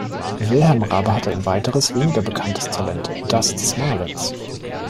Wilhelm Raabe hatte ein weiteres, weniger bekanntes Talent, das des Malens.